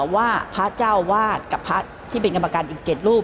ว่าพระเจ้าวาดกับพระที่เป็นกรรมการอีก๗รูป